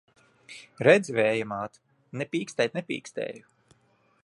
Redzi, Vēja māt! Ne pīkstēt nepīkstēju!